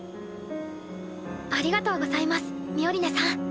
ありがとうございますミオリネさん。